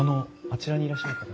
あちらにいらっしゃる方。